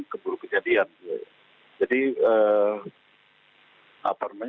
kemudian kemudian kejadian